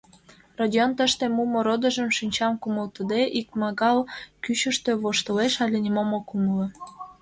Родион тыште мумо родыжым шинчам кумалтыде икмагал кӱчыштӧ: воштылеш але нимом ок умыло?